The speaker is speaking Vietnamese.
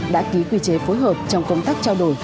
đã ký quy chế phối hợp trong công tác trao đổi